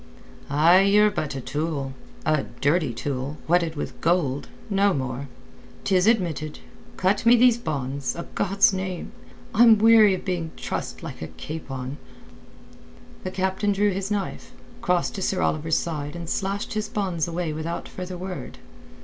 "Aye, ye're but a tool—a dirty tool, whetted with gold; no more. 'Tis admitted. Cut me these bonds, a God's name! I'm weary o' being trussed like a capon." The captain drew his knife, crossed to Sir Oliver's side and slashed his bonds away without further word.